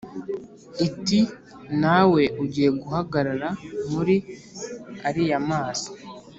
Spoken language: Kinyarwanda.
iti: “nawe ugiye guhagarara muri ariya mazi,